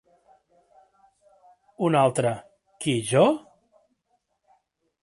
Un altre, qui jo?